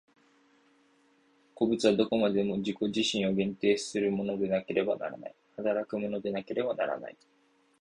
個物はどこまでも自己自身を限定するものでなければならない、働くものでなければならない。